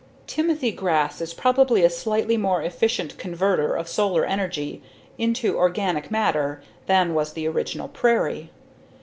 Timothy grass is probably a slightly more efficient converter of solar energy into organic matter than was the original prairie.